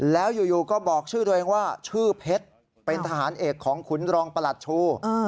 แล้วอยู่ก็บอกชื่อตัวเองว่าชื่อเพชรเป็นทหารเอกของขุนรองประหลัดชู